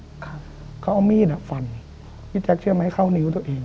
ครับเขาเอามีดอ่ะฟันพี่แจ๊คเชื่อไหมเข้านิ้วตัวเอง